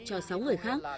cho sáu người khác